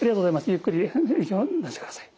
ゆっくり出してください。